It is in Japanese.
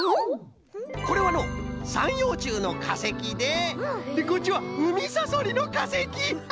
これはのうさんようちゅうのかせきででこっちはウミサソリのかせき。